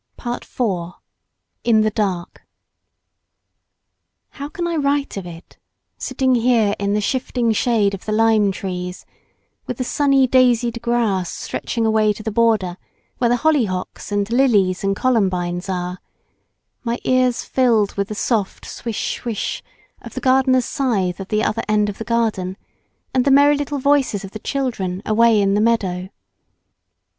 PART IV.—IN THE DARK How can I write of it, sitting here in the shifting shade of the lime trees, with the sunny daisied grass stretching away to the border where the hollyhocks and lilies and columbines are, my ears filled with the soft swish swish of the gardener's scythe at the other end of the lawn, and the merry little voices of the children away in the meadow?